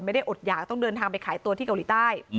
อดหยากต้องเดินทางไปขายตัวที่เกาหลีใต้